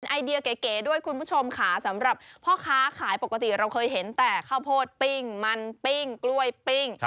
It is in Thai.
ไอเดียเก๋ด้วยคุณผู้ชมค่ะสำหรับพ่อค้าขายปกติเราเคยเห็นแต่ข้าวโพดปิ้งมันปิ้งกล้วยปิ้ง